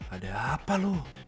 ada apa lu